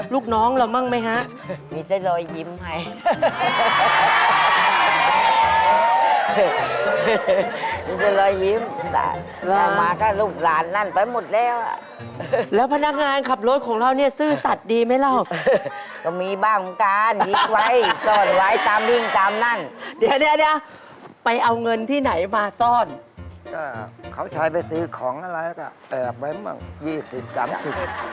ลูกน้องเราบ้างไหมฮะมีใส่รอยยิ้มให้รอรอมาแค่ลูกหลานนั่นไปหมดแล้วอะแล้วพนักงานขับรถของเราซื่อสัตว์ดีไหมรอก็มีบ้างกันหยิบไว้ซ่อนไว้ตามห้ิงตามนั่งเดี๋ยวไปเอาเงินที่ไหนมาซ่อนเขาใช้ไปซื้อของอะไรแล้วก็เอิบไว้๒๐๓๐บาท